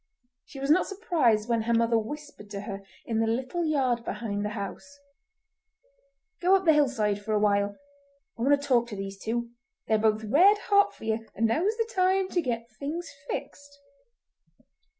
She was not surprised when her mother whispered to her in the little yard behind the house:— "Go up the hillside for a while; I want to talk to these two. They're both red hot for ye, and now's the time to get things fixed!"